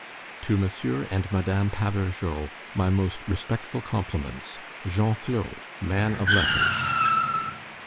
To Monsieur and Madame Pabourgeot, My most respectful complements, GENFLOT, man of letters.